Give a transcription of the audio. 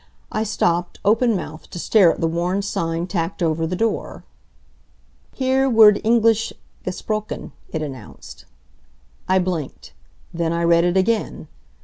I stopped, open mouthed, to stare at the worn sign tacked over the door. "Hier wird Englisch gesprochen," it announced. I blinked. Then I read it again.